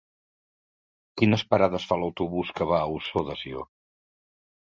Quines parades fa l'autobús que va a Ossó de Sió?